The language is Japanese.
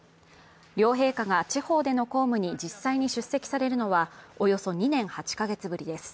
両陛下が地方での公務に実際に出席されるのは、およそ２年８か月ぶりです。